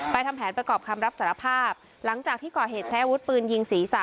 ทำแผนประกอบคำรับสารภาพหลังจากที่ก่อเหตุใช้อาวุธปืนยิงศีรษะ